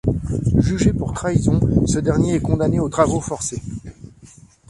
Jugé pour trahison, ce dernier est condamné aux travaux forçés.